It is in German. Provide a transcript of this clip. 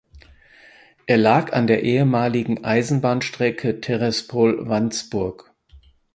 Er lag an der ehemaligen Eisenbahnstrecke Terespol–Vandsburg.